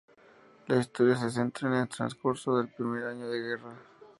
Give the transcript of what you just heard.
La historia se centra en el transcurso del primer año de guerra.